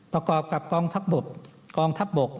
ประกอบกับกองทัพบก